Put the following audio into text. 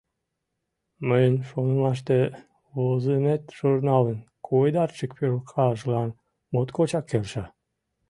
Мыйын шонымаште, возымет журналын койдарчык пӧлкажлан моткочак келша.